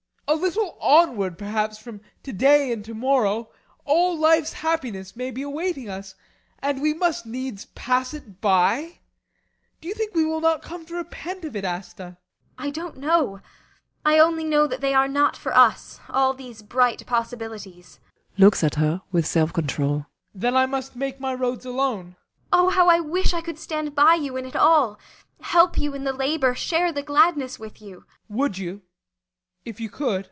A little onward, perhaps, from to day and to morrow, all life's happiness may be awaiting us. And we must needs pass it by! Do you think we will not come to repent of it, Asta? ASTA. [Quietly.] I don't know. I only know that they are not for us all these bright possibilities. BORGHEIM. [Looks at her with self control.] Then I must make my roads alone? ASTA. [Warmly.] Oh, how I wish I could stand by you in it all! Help you in the labour share the gladness with you BORGHEIM. Would you if you could?